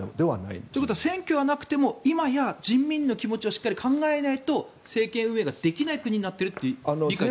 ということは選挙はなくても今や人民の気持ちをしっかり考えないと政権運営ができない国になっているということでいいですか。